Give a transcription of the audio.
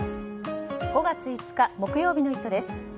５月５日、木曜日の「イット！」です。